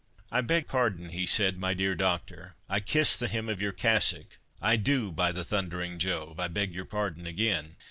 "I beg pardon," he said, "my dear Doctor—I kiss the hem of your cassock—I do, by the thundering Jove—I beg your pardon again.